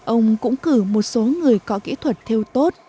ông cũng cử một số người có kỹ thuật theo tốt